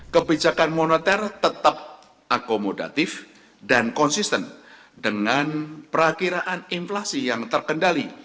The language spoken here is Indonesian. kebijakan moneter tetap akomodatif dan konsisten dengan perakiraan inflasi yang terkendali